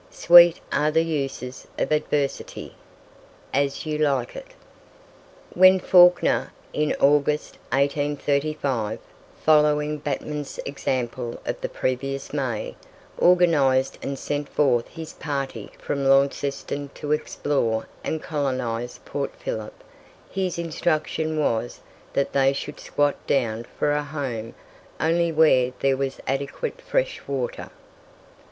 "Sweet are the uses of adversity." As You Like It. When Fawkner, in August, 1835, following Batman's example of the previous May, organized and sent forth his party from Launceston to explore and colonize Port Phillip, his instruction was that they should squat down for a home only where there was adequate fresh water.